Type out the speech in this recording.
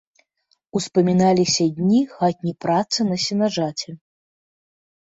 Успаміналіся дні хатняй працы на сенажаці.